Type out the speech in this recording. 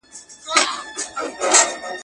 له توبې دي په هغه ګړي معذور سم.